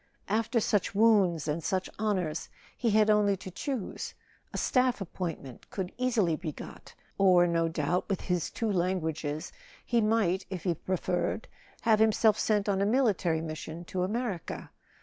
After such wounds and such honours he had only to choose; a staff ap pointment could easily be got. Or, no doubt, with his [ 344 ] A SON AT THE FRONT two languages, he might, if he preferred, have himself sent on a military mission to America.